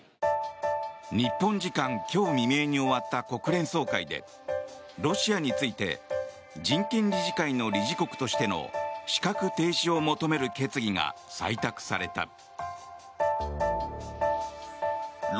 日本時間今日未明に終わった国連総会で、ロシアについて人権理事会の理事国としての資格停止を求める決議が採択された。